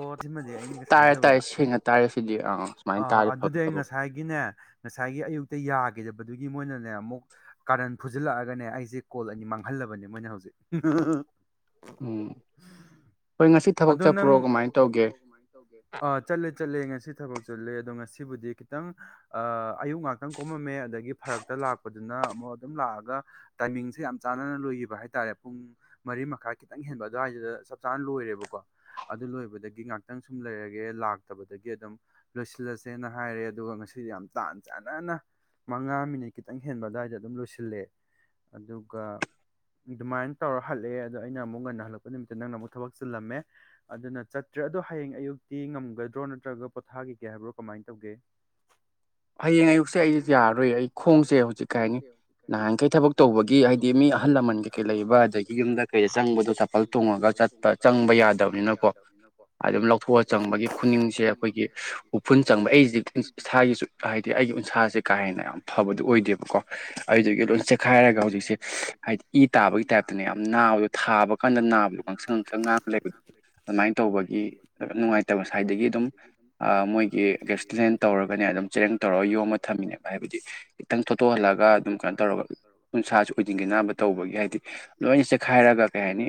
ꯑꯣ ꯁꯤꯃꯗꯤ ꯑꯩꯅꯒ ꯊꯥꯖꯕꯗ ꯑꯥ ꯑꯗꯨꯗꯤ ꯑꯩ ꯉꯁꯥꯏꯒꯤꯅꯦ ꯉꯁꯥꯏꯒꯤ ꯑꯌꯨꯛꯇ ꯌꯥꯈꯤꯗꯕꯗꯨꯒꯤ ꯃꯣꯏꯅꯅꯦ ꯑꯃꯨꯛ ꯀꯥꯔꯟ ꯐꯨꯖꯤꯜꯂꯛꯑꯒꯅꯦ ꯑꯩꯁꯦ ꯀꯣꯜ ꯑꯅꯤ ꯃꯥꯡꯍꯜꯂꯕꯅꯦ ꯃꯣꯏꯅ ꯍꯧꯖꯤꯛ ꯎꯝ ꯑꯗꯣ ꯅꯪ ꯆꯠꯂꯦ ꯆꯠꯂꯦ ꯉꯁꯤ ꯊ ꯆꯨꯜꯂꯦ ꯑꯗꯣ ꯉꯁꯤꯕꯨꯗꯤ ꯈꯤꯇꯪ ꯑꯌꯨꯛ ꯉꯥꯛꯇꯪ ꯀꯣꯝꯃꯝꯃꯦ ꯑꯗꯒꯤ ꯐꯔꯛꯇ ꯂꯥꯛꯄꯗꯨꯅ ꯑꯃꯨꯛ ꯑꯗꯨꯝ ꯂꯥꯛꯑꯒ ꯇꯥꯏꯃꯤꯡꯁꯦ ꯌꯥꯝ ꯆꯥꯟꯅꯅ ꯂꯣꯏꯈꯤꯕ ꯍꯥꯏꯇꯥꯔꯦ ꯄꯨꯡ ꯃꯔꯤ ꯃꯈꯥꯏ ꯈꯤꯇꯪ ꯍꯦꯟꯕ ꯑꯗꯨꯋꯥꯏꯗꯨꯗ ꯆꯞ ꯆꯥꯅ ꯂꯣꯏꯔꯦꯕꯀꯣ ꯀ ꯑꯗꯨ ꯂꯣꯏꯕꯗꯒꯤ ꯉꯥꯛꯇꯪ ꯁꯨꯝ ꯂꯩꯔꯒꯦ ꯂꯥꯛꯇꯕꯗꯒꯤ ꯑꯗꯨꯝ ꯂꯣꯏꯁꯤꯜꯂꯁꯦꯅ ꯍꯥꯏꯔꯦ ꯑꯗꯨꯒ ꯉꯁꯤꯗꯤ ꯌꯥꯝ ꯇꯥꯟ ꯆꯥꯟꯅꯅ ꯃꯉꯥ ꯃꯤꯅꯤꯠ ꯈꯤꯇꯪ ꯍꯦꯟꯕ ꯑꯗꯨꯋꯥꯏꯗ ꯑꯗꯨꯝ ꯂꯣꯏꯁꯤꯜꯂꯛꯑꯦ ꯑꯗꯨꯒ ꯑꯗꯨꯃꯥꯏꯅ ꯇꯧꯔ ꯍꯜꯂꯛꯑꯦ ꯑꯗꯣ ꯑꯩꯅ ꯑꯃꯨꯛ ꯉꯟꯅ ꯍꯜꯂꯛꯄ ꯅꯨꯃꯤꯠꯇ ꯅꯪꯅ ꯑꯃꯨꯛ ꯊꯕꯛ ꯆꯤꯜꯂꯝꯃꯦ ꯑꯗꯨꯅ ꯆꯠꯇ꯭ꯔꯦ ꯑꯗꯣ ꯍꯌꯦꯡ ꯑꯌꯨꯛꯇꯤ ꯉꯝꯒꯗ꯭ꯔꯣ ꯅꯠꯇ꯭ꯔꯒ ꯄꯣꯊꯥꯈꯤꯒꯦ ꯍꯥꯏꯕ꯭ꯔꯣ ꯀꯃꯥꯏꯅ ꯇꯧꯒꯦ ꯍꯌꯦꯡ ꯑꯌꯨꯛꯁꯦ ꯑꯩ ꯌꯥꯔꯣꯏ ꯑꯩ ꯈꯣꯡꯁꯦ ꯍꯧꯖꯤꯛ ꯀꯩ ꯍꯥꯏꯅꯤ ꯅꯍꯥꯟꯈꯩ ꯊꯕꯛ ꯇꯧꯕꯒꯤ ꯍꯥꯏꯗꯤ ꯃꯤ ꯑꯍꯜ ꯂꯃꯟ ꯀꯩꯀꯩ ꯂꯩꯕ ꯑꯗꯒꯤ ꯌꯨꯝꯗ ꯀꯩꯗ ꯆꯪꯕꯗꯣ ꯆꯥꯄꯜ ꯇꯣꯡꯉꯒ ꯆꯠꯄ ꯆꯪꯕ ꯌꯥꯗꯕꯅꯤꯅꯀꯣ ꯑꯗꯨꯝ ꯂꯧꯊꯣꯛꯑ ꯆꯪꯕꯒꯤ ꯈꯨꯅꯤꯡꯁꯦ ꯑꯩꯈꯣꯏꯒꯤ ꯎꯐꯨꯟ ꯆꯪꯕ ꯑꯩꯁꯤꯗꯤ ꯏꯁꯥꯒꯤꯁꯨ ꯍꯥꯏꯗꯤ ꯑꯩꯒꯤ ꯎꯟꯁꯥꯁꯦ ꯀꯥ ꯍꯦꯟꯅ ꯌꯥꯝ ꯐꯕꯗꯨꯣ ꯑꯣꯏꯗꯦꯕꯀꯣ ꯑꯗꯨꯒꯤ ꯂꯣꯏ ꯆꯦꯛꯈꯥꯏꯔꯒ ꯍꯧꯖꯤꯛꯁꯦ ꯍꯥꯏꯗꯤ ꯏ ꯇꯥꯕꯒꯤ ꯇꯥꯏꯞꯇꯅꯦ ꯌꯥꯝ ꯅꯥꯕꯗꯣ ꯊꯥꯕ ꯀꯥꯟꯗ ꯅꯥꯕꯗꯣ ꯀꯥꯡꯪꯁꯪ ꯉꯥꯡꯁꯪ ꯅꯥꯕꯗ ꯑꯗꯨꯃꯥꯏꯅ ꯇꯧꯕꯒꯤ ꯅꯨꯡꯉꯥꯏꯇꯕ ꯉꯁꯥꯏꯗꯒꯤ ꯑꯗꯨꯝ ꯃꯣꯏꯒꯤ ꯒꯦꯁꯇꯗꯦꯟ ꯇꯧꯔꯒꯅꯦ ꯑꯗꯨꯝ ꯆꯦꯔꯦꯡ ꯇꯧꯔꯒ ꯌꯣꯝꯉ ꯊꯝꯃꯤꯅꯦꯕ ꯍꯥꯏꯕꯗꯤ ꯈꯤꯇꯪ ꯊꯣꯠꯇꯣꯛꯍꯜꯂꯒ ꯑꯗꯨꯝ ꯀꯩꯅꯣ ꯇꯧꯔꯒ ꯎꯅꯨꯡꯁꯥꯁꯨ ꯑꯣꯏꯗꯤꯤꯡꯒ ꯕ ꯇꯧꯕꯒꯤ ꯍꯥꯏꯗꯤ ꯂꯣꯏꯅ ꯆꯦꯛꯈꯥꯏꯔꯒ ꯀꯩ ꯍꯥꯏꯅꯤ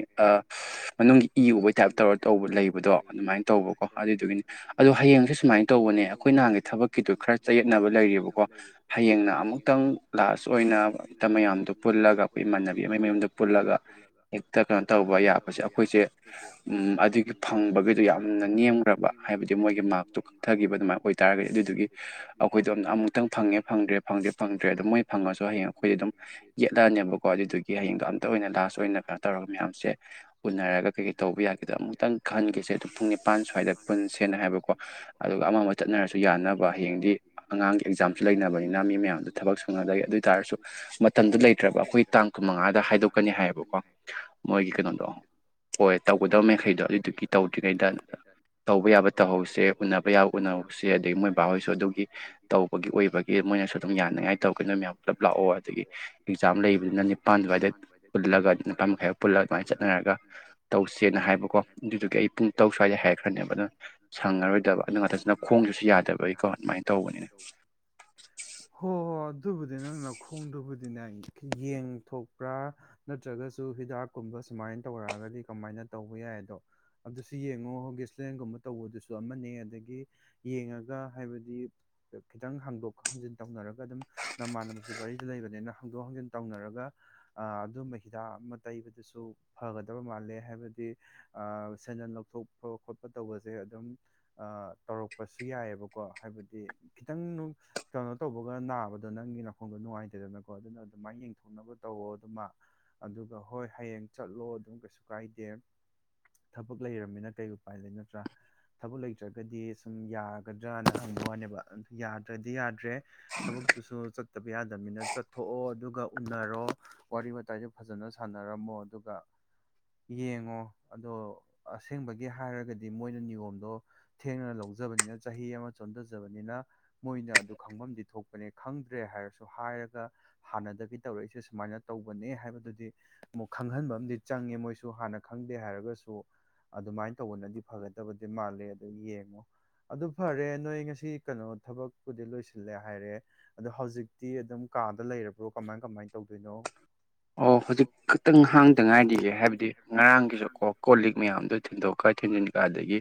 ꯃꯅꯨꯡꯒꯤ ꯇꯥꯏꯞ ꯇꯧꯔꯒ ꯇꯧꯕ ꯂꯩꯕꯗꯣ ꯑꯗꯨꯃꯥꯏꯅ ꯇꯧꯕꯀꯣ ꯑꯗꯨꯗꯨꯒꯤꯅꯤ ꯑꯗꯣ ꯍꯌꯦꯡꯁꯨꯦ ꯁꯨꯃꯥꯏꯅ ꯇꯧꯕꯅꯦ ꯑꯩꯈꯣꯏ ꯅꯍꯥꯟꯒꯤ ꯊꯕꯛꯀꯤꯗꯨꯣ ꯈꯔ ꯌꯦꯌꯦꯠꯅꯕ ꯂꯩꯔꯤꯕꯀꯣ ꯍꯌꯦꯡꯅ ꯑꯃꯨꯛꯇꯪ ꯂꯥꯁ ꯑꯣꯏꯅ ꯍ ꯃꯌꯥꯝꯗꯣ ꯄꯨꯜꯂꯒ ꯑꯩꯈꯣꯏ ꯏꯃꯥꯟꯅꯕꯤ ꯑꯃꯒꯤ ꯃꯌꯗ ꯄꯨꯜꯂꯒ ꯍꯦꯛꯇ ꯀꯩꯅꯣ ꯇꯧꯕ ꯌꯥꯕꯁꯦ ꯑꯩꯈꯣꯏꯁꯦ ꯎ ꯑꯗꯨꯒꯤ ꯐꯪꯕꯒꯤꯗꯣ ꯌꯥꯝꯅ ꯅꯦꯝꯈ꯭ꯔꯕ ꯍꯥꯏꯕꯗꯤ ꯃꯣꯏꯒꯤ ꯃꯥꯔꯛꯇꯣ ꯀꯛꯊꯈꯤꯕ ꯑꯗꯨꯃꯥꯏꯅ ꯑꯣꯏꯇꯥꯥꯔꯒꯗꯤ ꯑꯗꯨꯗꯨꯒꯤ ꯑꯩꯈꯣꯏꯗꯣ ꯑꯃꯨꯛꯇꯪ ꯐꯪꯉꯦ ꯐꯪꯗ꯭ꯔꯦ ꯐꯪꯗ꯭ꯔꯦ ꯐꯪꯗ꯭ꯔꯦ ꯑꯗꯣ ꯃꯣꯏ ꯐꯪꯉꯁꯨ ꯍꯌꯦꯡ ꯑꯩꯈꯣꯏꯗꯤ ꯑꯗꯨꯝ ꯌꯦꯠꯂꯛꯑꯅꯦꯕꯀꯣ ꯑꯗꯨꯗꯨꯒꯤ ꯍꯌꯦꯡꯗꯣ ꯑꯝꯇ ꯑꯣꯏꯅ ꯂꯥꯁ ꯑꯣꯏꯅ ꯀꯩꯅꯣ ꯇꯧꯔꯒ ꯃꯌꯥꯝꯁꯦ ꯎꯅꯔꯒ ꯀꯩꯀꯩ ꯇꯧꯕ ꯌꯥꯒꯦꯗ ꯑꯃꯨꯛꯇꯪ ꯈꯟꯈꯤꯁꯦ ꯑꯗꯨꯝ ꯄꯨꯡ ꯅꯤꯄꯥꯟ ꯁ꯭ꯋꯥꯏꯗ ꯄꯨꯟ ꯁꯦꯟꯅ ꯍꯥꯏꯕꯀꯣ ꯑꯗꯨꯒ ꯑꯃ ꯑꯃ ꯆꯠꯅꯔꯁꯨ ꯌꯥꯅꯕ ꯍꯌꯦꯡꯗꯤ ꯑꯉꯥꯡꯒꯤ ꯑꯦꯛꯖꯥꯝꯁꯨ ꯂꯩꯅꯕꯅꯤꯅ ꯃꯤ ꯃꯌꯥꯝꯗ ꯊꯕꯛ ꯁꯨꯅꯗꯒꯦ ꯑꯗꯨ ꯑꯣꯏꯇꯥꯥꯔꯁꯨ ꯃꯇꯝꯗꯨꯣ ꯂꯩꯇ꯭ꯔꯕ ꯑꯩꯈꯣꯏ ꯇꯥꯡ ꯀꯨꯟꯃꯉꯥꯗ ꯍꯥꯏꯗꯣꯛꯀꯅꯤ ꯍꯥꯏꯌꯦꯕꯀꯣ ꯃꯣꯏꯒꯤ ꯀꯩꯅꯣꯗꯣ ꯑꯣꯏꯣꯏ ꯇꯧꯒꯗꯕ ꯃꯈꯈꯩꯗꯣ ꯑꯗꯨꯏꯗꯨꯒꯤ ꯇꯧꯗ꯭ꯔꯤꯉꯩꯗ ꯇꯧꯕ ꯌꯥꯕ ꯇꯧꯍꯧꯁꯦ ꯎꯟꯅꯅꯕ ꯌꯥꯕ ꯎꯅꯍꯧꯁꯦ ꯑꯗꯗꯒꯤ ꯃꯣꯏ ꯕꯥꯍꯣꯏꯁꯨ ꯑꯗꯨꯒꯤ ꯇꯧꯕꯒꯤ ꯑꯣꯏꯕꯒꯤ ꯃꯣꯏꯅꯁꯨ ꯑꯗꯨꯝ ꯌꯥꯅꯤꯉꯥꯏ ꯇꯧꯒꯦ ꯑꯗꯨꯣꯏ ꯃꯌꯥꯝ ꯄꯨꯂꯞ ꯂꯥꯛꯑꯣ ꯑꯗꯒꯤ ꯑꯦꯛꯖꯥꯝ ꯂꯩꯕꯗꯨꯅ ꯅꯤꯄꯥꯜ ꯑꯗꯨꯋꯥꯏꯗ ꯄꯨꯜꯂꯒ ꯅꯤꯄꯥꯥꯟ ꯃꯈꯥꯏ ꯄꯨꯜꯂ ꯑꯗꯨꯃꯥꯏꯅ ꯆꯠꯅꯔꯒ ꯇꯧ ꯁꯦꯅ ꯍꯥꯏꯕꯀꯣ ꯑꯗꯨꯗꯨꯒꯤ ꯑꯩ ꯄꯨꯡ ꯇꯧ ꯁ꯭ꯋꯥꯏꯗ ꯍꯥꯏꯔꯛꯈ꯭ꯔꯅꯦꯕ ꯑꯗꯨꯅ ꯁꯪꯉꯔꯣꯏꯗꯕ ꯑꯗꯨ ꯉꯥꯛꯇꯁꯤꯅ ꯈꯣꯡꯗꯨꯁꯨ ꯌꯥꯗꯕꯒꯤꯀꯣ ꯑꯗꯨꯃꯥꯏꯅ ꯇꯧꯕꯅꯤꯅ ꯑꯗꯨꯕꯨꯗꯤ ꯅꯪ ꯂꯧꯈꯣꯡꯗꯨꯕꯨꯗꯤꯅꯦ ꯌꯦꯟ ꯊꯣꯛꯣꯛꯄ꯭ꯔꯥ ꯅꯠꯇ꯭ꯔꯒꯁꯨ ꯍꯤꯗꯥꯛꯀꯨꯝꯕ ꯁꯨꯃꯥꯏꯅ ꯇꯧꯔꯛꯑꯒꯗꯤ ꯀꯃꯥꯏꯅ ꯇꯧꯕ ꯌꯥꯏꯗꯣ ꯑꯗꯨꯁꯨ ꯌꯦꯡꯉꯣꯒꯤꯦꯁꯂꯦꯟꯒꯨꯝꯕ ꯇꯧꯕꯗꯨꯁꯨ ꯑꯃ ꯑꯗꯒꯤ ꯌꯦꯡꯉꯒ ꯍꯥꯏꯕꯗꯤ ꯈꯤꯇꯪ ꯍꯥꯡꯗꯣꯛ ꯍꯥꯡꯖꯤꯟ ꯇꯧꯅꯔꯒ ꯑꯗꯨꯝ ꯅꯃꯥꯟꯅꯕꯁꯨ ꯁꯨ ꯂꯩꯕꯅꯤꯅ ꯍꯥꯡꯗꯣꯛ ꯍꯥꯡꯖꯤꯟ ꯇꯧꯅꯔꯒ ꯑꯗꯨꯝꯕ ꯍꯤꯗꯥꯛ ꯑꯃ ꯇꯩꯕꯗꯨꯁꯨ ꯐꯒꯗꯕ ꯃꯥꯜꯂꯦ ꯍꯥꯏꯕꯗꯤ ꯁꯦꯟꯖꯟ ꯂꯧꯊꯣꯛꯄ ꯈꯣꯠꯄ ꯇꯧꯕꯁꯦ ꯑꯗꯨꯝ ꯇꯧꯔꯛꯄꯁꯨ ꯌꯥꯏꯑꯕꯀꯣ ꯍꯥꯏꯕꯗꯤ ꯈꯤꯇꯪ ꯀꯩꯅꯣ ꯇꯧꯕꯒ ꯅꯥꯕꯗꯣ ꯅꯪꯒꯤ ꯅꯥꯈꯣꯡꯗꯣ ꯅꯨꯡꯉꯥꯏꯇꯗꯅꯀꯣ ꯑꯗꯨꯅ ꯑꯗꯨꯃꯥꯏꯅ ꯌꯦꯡꯊꯣꯛꯅꯕ ꯇꯧꯋꯣ ꯑꯗꯨꯃ ꯑꯗꯨꯒ ꯍꯣꯏ ꯍꯌꯦꯡ ꯆꯠꯂꯣ ꯑꯗꯨꯝ ꯀꯩꯁꯨ ꯀꯥꯏꯗꯦ ꯊꯕꯛ ꯂꯩꯔꯕꯃꯤꯅ ꯀꯩ ꯎꯄꯥꯏ ꯂꯩ ꯅꯠꯇ꯭ꯔꯥ ꯊꯕꯛ ꯂꯩꯇ꯭ꯔꯒꯗꯤ ꯁꯨꯝ ꯌꯥꯒꯗ꯭ꯔꯅ ꯈꯪꯕ ꯋꯥꯅꯦꯕ ꯑꯗꯨ ꯌꯥꯗ꯭ꯔꯗꯤ ꯌꯥꯗ꯭ꯔꯦ ꯊꯕꯛꯇꯨꯁꯨ ꯆꯠꯇꯕ ꯌꯥꯗꯕꯅꯤꯅ ꯆꯠꯊꯣꯛꯑꯣ ꯑꯗꯨꯒ ꯎꯅꯔꯣ ꯋꯥꯔꯤ ꯋꯥꯇꯥꯏꯗꯨꯣ ꯐꯖꯅ ꯁꯥꯟꯅꯔꯝꯃꯣ ꯑꯗꯨꯒ ꯌꯦꯡꯉꯣ ꯑꯗꯣ ꯑꯁꯦꯡꯕꯒꯤ ꯍꯥꯏꯔꯒꯗꯤ ꯃꯣꯏꯅ ꯅꯤꯌꯣꯝꯗꯣ ꯊꯦꯡꯅꯅ ꯂꯧꯖꯕꯅꯤꯅ ꯆꯍꯤ ꯑꯃ ꯆꯣꯟꯊꯖꯕꯅꯤꯅ ꯃꯣꯏꯅ ꯑꯗꯨ ꯈꯪꯐꯝꯗꯤ ꯊꯣꯛꯄꯅꯦ ꯈꯪꯗ꯭ꯔꯦ ꯍꯥꯏꯔꯁꯨ ꯍꯥꯏꯔꯒ ꯍꯥꯟꯅꯗꯒꯤ ꯇꯧꯔꯛꯏꯁꯦ ꯁꯨꯃꯥꯏꯅ ꯇꯧꯕꯅꯦ ꯍꯥꯏꯕꯗꯨꯗꯤ ꯑꯃꯨꯛ ꯈꯪꯍꯟꯕ ꯑꯃꯗꯤ ꯆꯪꯉꯦ ꯃꯣꯏ ꯨ ꯍꯥꯟꯅ ꯈꯪꯗꯦ ꯍꯥꯏꯔꯒꯁꯨ ꯑꯗꯨꯃꯥꯏꯅ ꯇꯧꯕꯅꯗꯤ ꯐꯒꯗꯕꯗꯤ ꯃꯥꯜꯂꯦ ꯑꯗꯨ ꯌꯦꯡꯉꯣ ꯑꯗꯨ ꯐꯔꯦ ꯅꯣꯏ ꯉꯁꯤ ꯀꯩꯅꯣ ꯊꯕꯛꯄꯨꯗꯤ ꯂꯣꯏꯁꯤꯜꯂꯦ ꯍꯥꯏꯔꯦ ꯑꯗꯣ ꯍꯧꯖꯤꯛꯇꯤ ꯑꯗꯨꯝ ꯀꯥꯗ ꯂꯩꯔꯕ꯭ꯔꯣ ꯀꯃꯥꯏ ꯀꯃꯥꯏꯅ ꯇꯧꯗꯣꯏꯅꯣ ꯑꯣ ꯍꯧꯖꯤꯛꯇꯪꯥꯡꯗ ꯍꯥꯏ ꯍꯥꯏꯗꯤ ꯉꯔꯥꯡꯒꯤꯁꯨ ꯀꯣ ꯀꯣꯜ ꯂꯤꯛ ꯃꯌꯥꯝꯗꯣ ꯊꯤꯟꯗꯣꯛꯀ ꯊꯤꯟꯖꯤꯟ ꯈ ꯑꯗꯒꯤ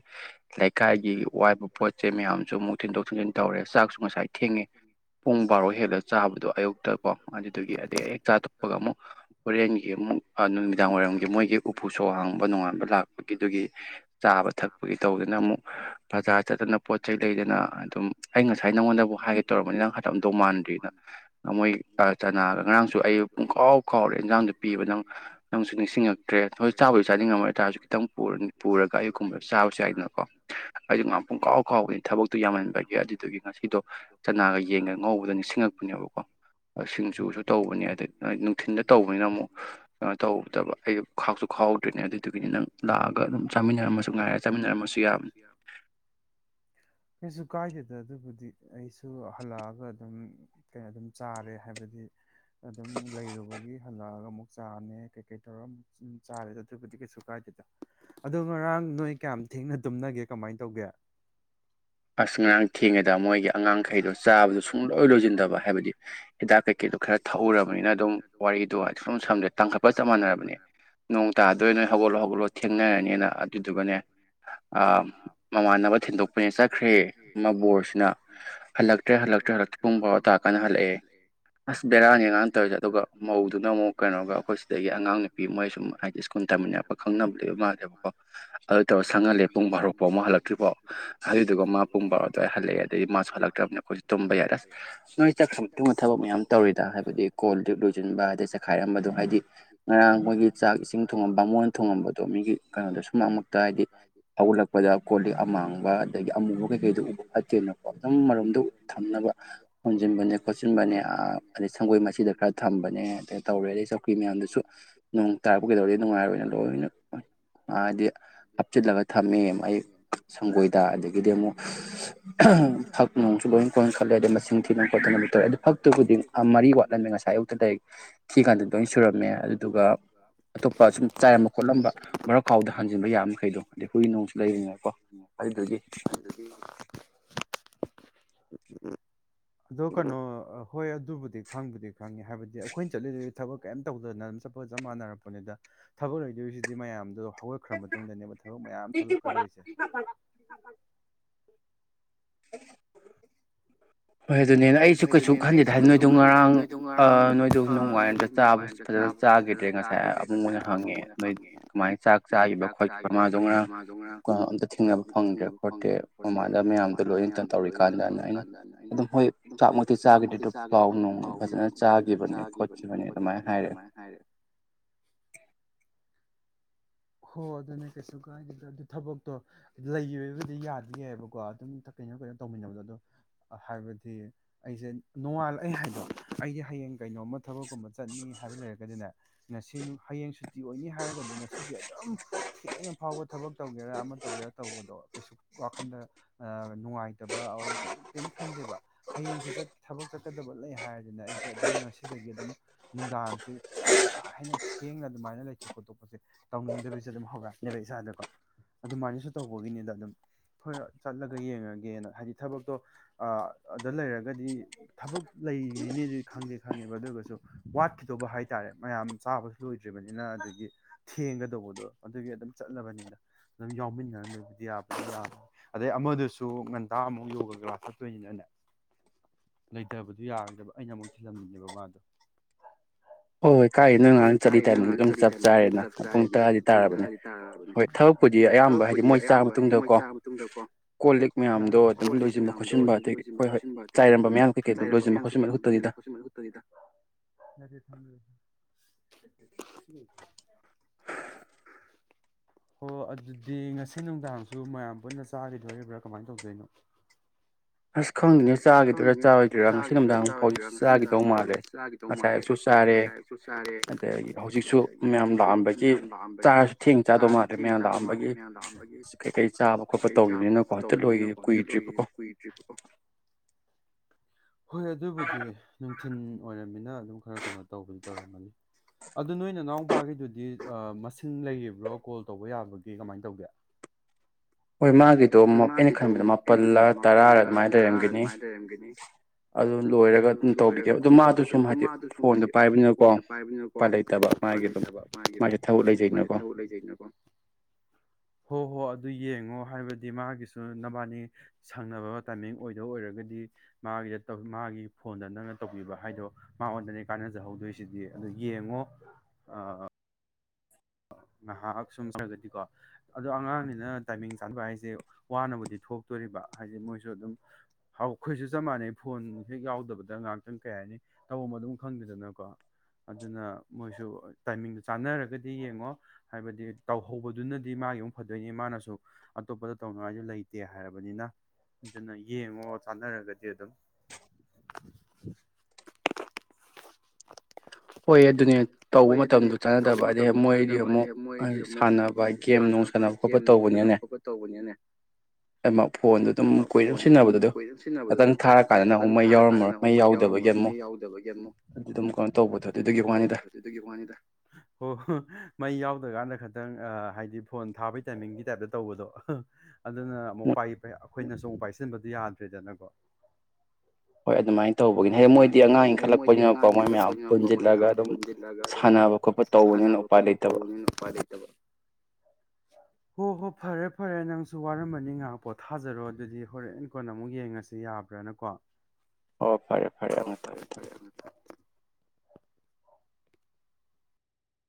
ꯂꯩꯀꯥꯏꯒꯤ ꯋꯥꯏꯕ ꯄꯣꯠ ꯆꯩ ꯃꯌꯥꯝꯁꯨ ꯑꯃꯨꯛ ꯊꯤꯟꯗꯣꯛ ꯊꯤꯟꯖꯤꯟ ꯇꯧꯔꯦ ꯆꯥꯛꯁꯨ ꯉꯁꯥꯏ ꯊꯦꯡꯉꯦ ꯄꯨꯡ ꯕꯥꯔꯣ ꯍꯦꯜꯂ ꯆꯥꯕꯗꯣ ꯑꯌꯨꯛꯇꯀꯣ ꯑꯗꯒꯤ ꯍꯦꯛ ꯆꯥꯊꯣꯛꯄꯒ ꯑꯃꯨꯛ ꯍꯣꯔꯦꯟꯒꯤ ꯑꯃꯨꯛ ꯅꯨꯃꯤꯗꯥꯡ ꯋꯥꯏꯔꯝ ꯑ ꯃꯣꯏꯒꯤ ꯎꯐꯨ ꯁꯣꯛ ꯍꯥꯡꯕ ꯅꯣꯉꯥꯟꯕ ꯂꯥꯛꯄꯒꯤ ꯑꯗꯨꯒꯤ ꯆꯥꯕ ꯊꯛꯄꯒꯤ ꯇꯧꯗꯅ ꯑꯃꯨꯛ ꯕꯖꯥꯔ ꯆꯠꯇꯅ ꯄꯣꯠ ꯆꯩ ꯂꯩꯗꯅ ꯑꯗꯨꯝ ꯑꯩ ꯉꯁꯥꯏ ꯅꯪꯉꯣꯟꯗꯕꯨ ꯍꯥꯏꯒꯦ ꯇꯧꯔꯔꯕꯅꯤꯅ ꯅꯪ ꯍꯥꯏꯇꯝꯗꯧ ꯃꯥꯟꯗ꯭ꯔꯤꯅ ꯃꯣꯏ ꯆꯅꯥꯒ ꯉꯔꯥꯡꯁꯨ ꯑꯩ ꯄꯨꯡꯈꯥꯎ ꯈꯥꯎꯔꯦ ꯏꯟꯖꯥꯡꯗꯣ ꯄꯤꯕ ꯅꯪ ꯅꯪꯁꯨ ꯇ꯭ꯔꯦ ꯍꯧꯖꯤꯛ ꯆꯥꯕꯗꯤ ꯆꯥꯅꯤꯡꯉꯝꯃꯣꯏ ꯑꯣꯏ ꯇꯥꯔꯁꯨ ꯈꯤꯇꯪꯅꯤ ꯄꯨꯔꯒ ꯑꯌꯨꯛꯀꯨꯝꯕꯗ ꯆꯥꯕꯁꯨ ꯌꯥꯏꯗꯅꯀꯣ ꯑꯩꯁꯨ ꯉꯥ ꯄꯨꯡꯈꯥꯎ ꯀꯥꯎꯕꯅꯤ ꯊꯕꯛꯇꯣ ꯌꯥꯝꯃꯟꯕꯒꯤ ꯑꯗꯨꯗꯨꯒꯤ ꯉꯁꯤꯗꯣ ꯆꯅꯥꯒ ꯌꯦꯡꯉꯒ ꯉꯧꯕꯗ ꯅꯤꯡꯁꯤꯡꯉꯛꯄꯅꯦꯕꯀꯣ ꯁꯤꯡꯖꯨꯁꯨ ꯇꯧꯕꯅꯤ ꯑꯗꯩ ꯅꯨꯡꯊꯤꯟꯗ ꯇꯧꯕꯅꯤꯅ ꯑꯃꯨꯛ ꯀꯩꯅꯣ ꯇꯧꯗꯕ ꯑꯩ ꯈꯥꯛꯁꯨ ꯈꯥꯎꯗ꯭ꯔꯔꯤꯅꯦ ꯑꯗꯨꯗꯨꯒꯤꯅꯤ ꯅꯪ ꯂꯥꯛꯑꯒ ꯑꯗꯨꯝ ꯆꯥꯃꯤꯟꯅꯔꯝꯃꯁꯨ ꯉꯥꯏꯔ ꯆꯥꯃꯤꯟꯅꯔꯝꯃꯁꯨ ꯌꯥꯕꯅꯤ ꯖꯗ ꯑꯗꯨꯕꯨꯗꯤ ꯑꯩ ꯁꯨ ꯍꯜꯂꯛꯑꯒ ꯑꯗꯨꯝ ꯑꯗꯨꯝ ꯆꯥꯔꯦ ꯍꯥꯏꯕꯗꯤ ꯑꯗꯨꯝ ꯂꯩꯔꯨꯕꯒꯤ ꯍꯜꯂꯛꯑꯒ ꯑꯃꯨꯛ ꯆꯅꯦ ꯀꯩ ꯇꯧꯔ ꯆꯥꯔꯦꯗ ꯑꯗꯨꯕꯨꯗꯤ ꯀꯩꯁꯨ ꯀꯥꯏꯗꯦꯗ ꯑꯗꯣ ꯉꯔꯥꯡ ꯅꯣꯏ ꯀꯌꯥꯝ ꯊꯦꯡꯅ ꯇꯨꯝꯅꯒꯦ ꯀꯃꯥꯏꯅ ꯇꯧꯒꯦ ꯑꯁ ꯉꯔꯥꯡ ꯊꯦꯡꯉꯦꯗ ꯃꯣꯏꯒꯤ ꯑꯉꯥꯡꯈꯩꯗꯣ ꯆꯥꯕꯗꯣ ꯁꯨꯡꯂꯣꯏ ꯂꯣꯏꯁꯤꯟꯗꯕ ꯍꯥꯏꯕꯗꯤ ꯍꯤꯗꯥꯛ ꯀꯩꯀꯩꯗꯣ ꯈꯔ ꯊꯛꯎꯔꯕꯅꯤꯅ ꯑꯗꯨꯝ ꯋꯥꯔꯤꯗꯣ ꯁꯨꯝ ꯁꯝꯗꯦ ꯇꯥꯡꯈꯠꯄ ꯆꯞ ꯃꯥꯟꯅꯔꯕꯅꯦ ꯅꯣꯡ ꯇꯥꯗꯣꯏ ꯅꯣꯏ ꯍꯧꯒꯠꯂꯣ ꯍꯧꯒꯠꯂꯣ ꯊꯦꯡꯅꯔꯅꯤꯅ ꯑꯗꯨꯗꯨꯒꯅꯦ ꯃꯃꯥꯟꯅꯕ ꯊꯤꯟꯗꯣꯛꯄꯅꯦ ꯈ꯭ꯔꯦ ꯑꯃ ꯕꯣꯔꯁꯤꯅ ꯍꯜꯂꯛꯇ꯭ꯔꯦ ꯍꯜꯂꯛꯇ꯭ꯔꯦ ꯍꯜꯂꯛꯇ꯭ꯔꯦ ꯄꯨꯡ ꯐꯥꯎ ꯇꯥꯛ ꯀꯥꯟꯗ ꯍꯜꯂꯛꯑꯦ ꯑꯁ ꯕꯦꯔꯥꯅꯤ ꯉꯅ ꯇꯧꯔꯤꯁꯦ ꯑꯗꯨꯒ ꯃꯧꯗꯨꯅ ꯑꯃꯨꯛ ꯀꯩꯅꯣꯒ ꯑꯩꯈꯣꯏ ꯑꯗꯒꯤ ꯑꯉꯥꯡ ꯅꯨꯄꯤ ꯃꯣꯏ ꯁꯨꯝ ꯍꯥꯏꯗꯤ ꯁ꯭ꯀꯨꯜ ꯇꯥꯏꯃꯤꯟ ꯍꯥꯏꯄ ꯈꯪꯅꯕ ꯂꯩꯕ ꯃꯥꯜꯂꯦꯕꯀꯣ ꯑꯗꯨ ꯇꯧꯔ ꯁꯪꯍꯜꯂꯦ ꯄꯨꯡ ꯐꯚꯥꯔꯛ ꯐꯥꯎꯨꯛ ꯍꯜꯂꯛꯇ꯭ꯔꯤꯐꯣ ꯑꯗꯨꯒ ꯃꯥ ꯄꯨꯡ ꯕꯥꯔꯣ ꯑꯗꯨꯋꯥꯏ ꯍꯜꯂꯛꯑꯦ ꯑꯗꯗꯒꯤ ꯃꯥꯁꯨ ꯍꯜꯂꯛꯇ꯭ꯔꯕꯅꯤ ꯑꯩꯈꯣꯏꯁꯨ ꯇꯨꯝꯕ ꯌꯥꯏ ꯑꯁ ꯅꯣꯏ ꯆ ꯊꯕꯛ ꯃꯌꯥꯝ ꯇꯧꯔꯤꯗ ꯍꯥꯏꯕꯗꯤ ꯀꯣꯜ ꯛ ꯂꯣꯏꯁꯤꯟꯕ ꯑꯗꯩ ꯆꯥꯛꯈꯥꯏꯔꯝꯕꯗꯣ ꯍꯥꯏꯗꯤ ꯉꯔꯥꯡ ꯃꯈꯣꯏꯒꯤ ꯆꯥꯛ ꯏꯁꯤꯡ ꯊꯣꯡꯉꯝꯕ ꯃꯣꯟ ꯊꯣꯡꯉꯝꯕꯗꯣ ꯃꯤꯒꯤ ꯀꯩꯅꯣꯗꯣ ꯁꯨꯝꯃꯛꯇ ꯍꯥꯏꯗꯤ ꯍꯧꯒꯠꯂꯛꯄꯗ ꯀꯣꯜ ꯂꯤꯛ ꯑꯃꯥꯡꯕ ꯑꯗꯒꯤ ꯑꯃꯨꯕ ꯀꯩꯀꯩꯗꯨꯣ ꯎꯕ ꯐꯠꯇꯦꯅꯀꯣ ꯑꯗꯨꯝ ꯃꯔꯣꯝꯗꯣ ꯊꯝꯅꯕ ꯍꯣꯟꯖꯤꯟꯕꯅꯦ ꯈꯣꯠꯆꯤꯟꯕꯅꯦ ꯑꯗꯩ ꯁꯪꯒꯣꯏ ꯃꯆꯤꯗ ꯈꯔ ꯊꯝꯕꯅꯦ ꯑꯗꯩ ꯇꯧꯔꯦ ꯑꯗꯩ ꯆꯧꯀꯤ꯭ꯔꯤ ꯃꯌꯥꯝꯗꯁꯨ ꯅꯣꯡ ꯇꯥꯔꯛꯄ ꯀꯩꯗꯧꯔꯗꯤ ꯅꯨꯡꯉꯥꯏꯔꯣꯏꯅ ꯂꯣꯏꯅ ꯍꯥꯏꯗꯤ ꯍꯥꯞꯆꯤꯜꯂꯒ ꯊꯝꯃꯦ ꯑꯩ ꯁꯪꯒꯣꯏ ꯗ ꯑꯗꯒꯤꯗꯤ ꯑꯃꯨꯛ ꯐꯛ ꯅꯨꯡꯁꯨ ꯂꯣꯏ ꯀꯣꯏꯅ ꯈꯜꯂꯦ ꯑꯗꯩ ꯃꯁꯤꯡ ꯊꯤꯅ ꯈꯣꯠꯇꯅ ꯑꯃ ꯇꯧꯔꯦ ꯑꯗ ꯐꯛꯇꯨꯕꯨꯗꯤ ꯃꯔꯤ ꯋꯥꯠꯂꯝꯃꯦ ꯉꯁꯥꯏ ꯑꯌꯨꯛꯇ ꯂꯥꯏꯔꯤꯛ ꯊꯤ ꯀꯥꯟꯗ ꯂꯣꯏ ꯁꯨꯔꯝꯃꯦ ꯑꯗꯨꯗꯨꯒ ꯑꯇꯣꯞꯄ ꯁꯨꯝ ꯆꯥꯏꯔꯝꯕ ꯈꯣꯠꯂꯝꯕ ꯕꯥ ꯈꯥꯎꯗ ꯍꯟꯖꯤꯟꯕ ꯌꯥꯝꯃ ꯃꯈꯩꯗꯣ ꯑꯗꯩ ꯍꯨꯏ ꯅꯣꯡꯁꯨ ꯂꯩꯔꯤꯉꯀꯣ ꯑꯗꯨꯗꯖꯤ ꯑꯗꯣ ꯀꯩꯅꯣ ꯍꯣꯏ ꯑꯗꯨꯕꯨꯗꯤ ꯈꯪꯕꯨꯗꯤ ꯈꯪꯉꯤ ꯍꯥꯏꯕꯗꯤ ꯑꯩꯈꯣꯏꯅ ꯆꯠꯂꯤꯗꯨ ꯊꯕꯛ ꯀꯩꯝ ꯇꯧꯗꯅ ꯑꯗꯨꯝ ꯆꯞꯄ ꯆꯞ ꯃꯥꯟꯅꯔꯛꯄꯅꯤꯗ ꯊꯕꯛ ꯂꯩꯗꯣꯏꯁꯤꯗꯤ ꯃꯌꯥꯝꯗꯣ ꯍꯧꯒꯠꯈ꯭ꯔ ꯃꯇꯨꯡꯗꯅꯦꯕ ꯊꯕꯛ ꯃꯌꯥꯝ ꯊꯣꯛꯂꯛꯀꯗꯣꯏꯁꯦ ꯎ [inaudible] ꯍꯣꯏ ꯑꯗꯨꯅꯦꯅ ꯑꯩꯁꯨ ꯀꯩꯁꯨ ꯈꯟꯗꯦꯗ ꯍꯥꯏꯗꯤ ꯅꯣꯏꯗꯣ ꯉꯔꯥꯡ ꯅꯣꯏꯗꯣ ꯅꯨꯡꯉꯥꯏꯏꯔꯝꯗ ꯆꯥꯕ ꯐꯖꯅ ꯆꯥꯈꯤꯗ꯭ꯔꯦ ꯉꯁꯥꯏ ꯑꯃꯃꯨꯡ ꯑꯣꯏꯅ ꯍꯪꯉꯦ ꯅꯣꯏ ꯀꯃꯥꯏꯅ ꯆꯥꯛ ꯆꯥꯈꯤꯕ ꯈꯣꯠꯈꯤꯕ ꯃꯥꯗꯣ ꯉꯔꯥꯡ ꯀ ꯑꯝꯇ ꯊꯦꯡꯅꯕ ꯐꯪꯗ꯭ꯔꯦ ꯈꯣꯠꯇ꯭ꯔꯦ ꯃꯃꯥꯗ ꯃꯌꯥꯝꯗꯣ ꯂꯣꯏꯅꯅ ꯇꯧꯔꯤꯀꯥꯟꯗꯅ ꯑꯩꯅ ꯑꯗꯨꯝ ꯍꯣꯏ ꯆꯥꯛꯃꯛꯇꯤ ꯆꯥꯈꯤꯗꯦ ꯑꯗꯨ ꯄꯥꯎ ꯅꯣꯡ ꯐꯖꯅ ꯆꯥꯈꯤꯕꯅꯤ ꯈꯣꯠꯈꯤꯕꯅꯦ ꯑꯗꯨꯃꯥꯏꯅ ꯍꯥꯏꯔꯦ ꯍꯣ ꯑꯗꯨꯅꯦ ꯀꯩꯁꯨ ꯀꯥꯏꯗꯦꯗ ꯑꯗꯨ ꯊꯕꯛꯇꯣ ꯂꯩꯈꯤꯕꯕꯨꯗꯤ ꯌꯥꯗꯦꯕꯀꯣ ꯑꯗꯨꯝ ꯀꯩꯅꯣ ꯀꯩꯅꯣ ꯇꯧꯃꯤꯟꯅꯕꯗꯣ ꯑꯗꯣ ꯍꯥꯏꯕꯗꯤ ꯑꯩꯁꯦ ꯅꯣꯡꯉꯥꯜꯂꯑ ꯍꯥꯏꯗꯣ ꯑꯩꯗꯤ ꯍꯌꯦꯡ ꯀꯩꯅꯣꯝꯃ ꯊꯕꯛꯀꯨꯝꯕ ꯆꯠꯅꯤ ꯍꯥꯏꯕ ꯂꯩꯔꯒꯗꯤꯅ ꯉꯁꯤ ꯍꯌꯦꯡ ꯁꯨꯇꯤ ꯑꯣꯏꯅꯤ ꯍꯥꯏꯔꯒꯗꯤ ꯉꯁꯤꯁꯦ ꯑꯗꯨꯝ ꯍꯦꯟꯅ ꯐꯥꯎꯕ ꯊꯕꯛ ꯇꯧꯒꯦꯔꯥ ꯑꯃ ꯇꯧꯒꯦꯔ ꯇꯧꯕꯗꯣ ꯀꯩꯁꯨ ꯋꯥꯈꯟꯗ ꯅꯨꯡꯉꯥꯏꯇꯕ ꯑꯣꯔ ꯀꯩꯝ ꯀꯔꯤꯝ ꯈꯟꯗꯦꯕ ꯍꯌꯦꯡꯁꯦ ꯊꯕꯛ ꯆꯠꯀꯗꯕ ꯂꯩ ꯍꯥꯏꯔꯁꯤꯅ ꯑꯩꯁꯦ ꯑꯗꯨꯝ ꯉꯁꯤꯗꯒꯤ ꯑꯗꯨꯝ ꯅꯨꯡꯗꯥꯡꯁꯦ ꯌꯥꯝ ꯀꯥ ꯍꯦꯟꯅ ꯊꯦꯡꯅ ꯑꯗꯨꯃꯥꯏꯅ ꯂꯩꯊꯣꯛ ꯈꯣꯠꯇꯣꯛꯄꯁꯦ ꯇꯧꯅꯤꯡꯗꯕꯤꯁꯦ ꯑꯗꯨꯝ ꯍꯧꯔꯛꯅꯦꯕ ꯏꯁꯥꯗꯀꯣ ꯑꯗꯨꯃꯥꯏꯅꯁꯨ ꯇꯧꯕꯒꯤꯅꯤꯗ ꯑꯗꯨꯝ ꯍꯣꯏ ꯆꯠꯂꯒ ꯌꯦꯡꯉꯒꯦꯅ ꯍꯥꯏꯗꯤ ꯊꯕꯛꯇꯣ ꯑꯗꯨꯗ ꯂꯩꯔꯒꯗꯤ ꯊꯕꯛ ꯂꯩꯔꯤꯅꯦꯗꯤ ꯈꯪꯗꯦ ꯈꯪꯉꯦꯕ ꯑꯗꯨ ꯑꯣꯏꯔꯒꯁꯨ ꯋꯥꯠꯈꯤꯗꯧꯕ ꯍꯥꯏꯇꯥꯔꯦ ꯃꯌꯥꯝ ꯆꯥꯕꯁꯨ ꯂꯣꯏꯗ꯭ꯔꯤꯕꯅꯤꯅ ꯑꯗꯒꯤ ꯊꯦꯡꯒꯗꯧꯕꯗꯣ ꯑꯗꯨꯒꯤ ꯑꯗꯨꯝ ꯆꯠꯂꯕꯅꯤꯅ ꯑꯗꯨꯝ ꯌꯥꯎꯃꯤꯟꯅꯔꯝꯝꯕꯒꯤꯕꯨꯗꯤ ꯌꯥ ꯑꯗꯩ ꯑꯃꯗꯨꯁꯨ ꯉꯟꯇꯥ ꯑꯃꯨꯛ ꯌꯣꯒꯥ ꯀ꯭ꯂꯥꯁ ꯆꯠꯇꯣꯏꯅꯤꯅꯅꯦ ꯂꯩꯇꯕꯗꯨ ꯌꯥꯔꯣꯏꯗꯕ ꯑꯩꯅ ꯑꯃꯨꯛ ꯊꯤꯜꯂꯝꯃꯤꯅꯦꯕ ꯃꯥꯗꯣ ꯍꯣꯏ ꯍꯣꯏ ꯍꯣꯏ ꯆꯥꯛꯒꯦ ꯅꯪ ꯉꯥꯡ ꯆꯂꯤ ꯇꯥꯏꯃꯤꯡ ꯑꯗꯨ ꯆꯞ ꯆꯥꯔꯦꯅ ꯄꯨꯡ ꯇꯔꯥꯗꯤ ꯇꯥꯔꯛꯑꯕꯅꯤ ꯍꯣꯏ ꯊꯕꯛꯄꯨꯗꯤ ꯑꯌꯥꯝꯕ ꯍꯥꯏꯗꯤ ꯃꯣꯏ ꯆꯥꯕ ꯃꯇꯨꯡꯗꯀꯣꯣꯜ ꯂꯤ ꯃꯌꯥꯝꯗꯣ ꯑꯗꯨꯝ ꯂꯣꯏꯁꯤꯟ ꯈꯣꯟ ꯍꯣꯏ ꯍꯣꯏ ꯆꯥꯏꯔꯝꯕ ꯃꯌꯥꯝ ꯀꯀꯩꯣ ꯂꯣꯏꯁꯤꯟ ꯈꯣꯠꯟꯕ ꯈꯛꯇꯗ ꯍꯣ ꯑꯗꯨꯗꯤ ꯉꯁꯤ ꯅꯨꯡꯗꯥꯡꯁꯨ ꯃꯌꯥꯝ ꯄꯨꯟꯅ ꯆꯥꯈꯤꯗꯣꯔꯤꯕ꯭ꯔꯥ ꯀꯃꯥꯏꯅ ꯇꯧꯗꯣꯏꯅꯣ ꯑꯁ ꯈꯪꯗꯤꯅꯦ ꯆꯥꯈꯤꯗꯣꯏꯔꯥ ꯆꯥꯔꯣꯏꯗꯣꯏꯔꯥ ꯉꯁꯤ ꯅꯨꯃꯤꯗꯥꯡ ꯍꯧꯖꯤꯛ ꯆꯥꯈꯤꯗꯧ ꯃꯥꯜꯂꯦ ꯉꯁꯥꯏꯁꯨ ꯆꯥꯔꯦ ꯑꯗꯒꯤ ꯍꯧꯖꯤꯛꯁꯨ ꯃꯌꯥꯝ ꯂꯥꯛꯑꯝꯕꯒꯤ ꯆꯥꯔꯁꯨ ꯊꯦꯡ ꯆꯥꯗꯧ ꯃꯥꯗ꯭ꯔꯦ ꯃꯌꯥꯝ ꯂꯥꯛꯑꯝꯕꯒꯤ ꯀꯩꯀꯩ ꯆꯥꯕ ꯈꯣꯠꯄ ꯇꯧꯈꯤꯕꯅꯤꯅꯀꯣ ꯍꯦꯛꯇ ꯂꯣꯏ ꯀꯨꯏꯗ꯭ꯔꯤꯕꯀꯣ [inaudible] ꯍꯣꯏ ꯑꯗꯨꯕꯨꯗꯤ ꯅꯨꯡꯊꯜ ꯑꯣꯏꯔꯝꯃꯤꯅ ꯑꯗꯨꯝ ꯈꯔ ꯀꯩꯅꯣ ꯇꯧꯕꯅꯤ ꯇꯧꯔꯝꯃꯅꯤ ꯑꯗꯨ ꯅꯣꯏ ꯏꯅꯥꯎꯄꯥꯒꯤꯗꯨꯗꯤ ꯃꯁꯤꯡ ꯂꯩꯔꯤꯕ꯭ꯔꯣ ꯀꯣꯜ ꯇꯧꯕ ꯌꯥꯕꯒꯤ ꯀꯃꯥꯏꯅ ꯇꯧꯒꯦ ꯍꯣꯏ ꯃꯥꯒꯤꯗꯣ ꯑꯩꯅ ꯈꯟꯕꯗ ꯃꯥꯄꯜꯂ ꯇꯔꯥꯔ ꯑꯗꯨꯃꯥꯏꯅ ꯂꯩꯔꯝꯒꯅꯤ ꯑꯗꯨ ꯂꯣꯏꯔꯒ ꯑꯗꯨꯝ ꯇꯧꯕꯤꯒꯦ ꯑꯗꯨꯗ ꯃꯥꯗꯣ ꯁꯨꯝ ꯍꯥꯏꯗꯤ ꯐꯣꯟꯗꯣ ꯄꯥꯏꯕ ꯐꯣꯟꯗ ꯄꯥꯏꯕꯅꯤꯅꯀꯣ ꯂꯩꯇꯕ ꯃꯥꯒꯤ ꯑꯗꯨꯝ ꯃꯥꯁꯦ ꯊꯕꯛ ꯂꯩꯖꯩꯅꯀꯣ ꯍꯣ ꯍꯣꯏ ꯑꯗꯨ ꯑꯗꯨ ꯌꯦꯡꯉꯣ ꯍꯥꯏꯕꯗꯤ ꯃꯥꯒꯤꯁꯨ ꯅꯕꯥꯅꯤ ꯁꯪꯅꯕ ꯇꯥꯏꯃꯤꯡ ꯑꯣꯏꯗ ꯑꯣꯏꯔꯒꯗꯤ ꯃꯥꯒꯤꯗ ꯃꯥꯒꯤ ꯐꯣꯟꯗ ꯅꯪꯅ ꯇꯧꯕꯤꯕ ꯍꯥꯏꯗꯣ ꯃꯥꯉꯣꯟꯗꯅꯦ ꯀꯥꯟꯅꯖꯍꯧꯗꯣꯏꯁ ꯁꯤꯗꯤ ꯑ ꯌꯦꯡꯉꯣ ꯉꯥꯏꯍꯥꯛ ꯁꯨꯝ ꯍꯥꯏꯔꯒꯗꯤꯀꯣ ꯑꯗꯣ ꯑꯉꯥꯡꯅꯤꯅ ꯇꯥꯏꯃꯤꯡ ꯆꯥꯟꯅꯕ ꯍꯥꯏꯁꯦ ꯋꯥꯅꯕꯨꯗꯤ ꯊꯣꯛꯇꯣꯔꯤꯕ ꯍꯥꯏꯗꯤꯦ ꯃꯣꯏꯁꯨ ꯑꯗꯨꯝ ꯑꯩꯈꯣꯏꯁꯨ ꯆꯞ ꯃꯥꯟꯅꯩ ꯐꯣꯟ ꯍꯦꯛ ꯌꯥꯎꯗꯕꯗ ꯉꯥꯏꯍꯥꯛꯇꯪ ꯀꯩ ꯍꯥꯏꯅꯤ ꯇꯧꯝꯕ ꯑꯗꯨꯝ ꯈꯪꯗꯗꯅꯀꯣ ꯑꯗꯨꯅ ꯃꯣꯏꯁꯨ ꯇꯥꯏꯃꯤꯡꯗꯨꯣ ꯆꯥꯟꯅꯔꯒꯗꯤ ꯌꯦꯡꯉꯣ ꯍꯥꯏꯕꯗꯤ ꯇꯧꯍꯧꯕꯗꯨꯅꯗꯤ ꯃꯥꯒꯤ ꯑꯃꯨꯛ ꯐꯗꯣꯏꯅꯤ ꯃꯥꯅꯁꯨ ꯑꯇꯣꯞꯄꯗ ꯇꯧꯅꯉꯥꯏꯁꯨ ꯂꯩꯇꯦ ꯍꯥꯏꯔꯕꯅꯤꯅ ꯑꯗꯨꯅ ꯌꯦꯡꯉꯣ ꯆꯥꯟꯅꯔꯒꯗꯤ ꯑꯗꯨꯝ ꯍꯣꯏ ꯑꯗꯨꯅꯦ ꯇꯧꯕ ꯃꯇꯝꯗ ꯆꯥꯟꯅꯗꯕ ꯑꯗꯩ ꯃꯣꯏꯗꯤ ꯑꯃꯨꯛ ꯁꯥꯟꯅꯕ ꯒꯦꯝ ꯅꯨꯡ ꯁꯥꯟꯅꯕ ꯈꯣꯠꯄ ꯇꯧꯕꯅꯤꯅꯦ ꯐꯣꯟꯗ ꯑꯗꯨꯝ ꯀꯨꯏꯔꯝ ꯁꯤꯖꯤꯟꯅꯕꯗ ꯑꯗꯨ ꯈꯤꯇꯪ ꯊꯥꯔꯀꯥꯟꯗꯅ ꯑꯃꯨꯛ ꯃꯩ ꯌꯥꯎꯔꯝꯃꯔꯣꯏ ꯃꯩ ꯌꯥꯎꯗꯕꯒꯤ ꯑꯃꯨꯛ ꯑꯗꯨ ꯑꯗꯨꯝꯀꯣꯟ ꯀ ꯇꯧꯕꯗꯨꯗꯤ ꯑꯗꯨꯒꯤ ꯋꯥꯅꯤꯗ ꯍꯣꯏ ꯍꯣꯏ ꯃꯩ ꯌꯥꯎꯗ꯭ꯔꯀꯥꯟꯗ ꯈ ꯈꯤꯇꯪ ꯍꯥꯏꯗꯤ ꯐꯣꯟ ꯊꯥꯕꯒꯤ ꯇꯥꯏꯃꯤꯡꯒꯤ ꯇꯥꯏꯞꯇ ꯇꯧꯕꯗꯣ ꯑꯗꯨꯅ ꯑꯃꯨꯛ ꯄꯥꯏ ꯄ ꯑꯩꯈꯣꯏꯅ ꯆꯣꯡ ꯄꯥꯏꯁꯤꯟꯕꯗꯤ ꯌꯥꯗ꯭ꯔꯦꯗꯅꯀꯣ ꯍꯣꯏ ꯑꯗꯨꯃꯥꯏꯅ ꯇꯧꯕꯒꯤꯅꯤ ꯍꯥꯏ ꯃꯣꯏꯗꯤ ꯑꯉꯥꯡ ꯏꯟꯈꯠꯂꯛꯄ ꯑꯉꯥꯡ ꯏ ꯈꯜꯂ ꯈꯣꯏꯁꯤꯔꯛꯄ ꯃꯣꯏ ꯃꯌꯥꯝ ꯄꯨꯣꯏꯁꯤꯜꯂꯒ ꯑꯗꯨꯝ ꯁꯥꯟꯅꯕ ꯈꯣꯠꯄ ꯇꯧꯕꯅꯤꯅ ꯎꯄꯥꯏ ꯂꯩꯇꯕ ꯍꯣ ꯍꯣꯏ ꯐꯔꯦ ꯐꯔꯦ ꯅꯪꯁꯨ ꯋꯥꯔꯝꯕꯅꯤ ꯉꯥꯏꯍꯥꯛ ꯄꯣꯊꯥꯖꯔꯣ ꯑꯗꯨꯗꯤ ꯍꯣꯔꯦꯟꯦꯟ ꯀꯣꯟꯅ ꯑꯃꯨꯛ ꯌꯦꯡꯉꯁꯤ ꯌꯥꯕ꯭ꯔꯥꯅꯀꯣ ꯑꯣ ꯐꯔꯦ ꯐꯔꯦ ꯑꯪ ꯊꯝꯃꯃꯦꯣ ꯊꯝꯃꯦꯣ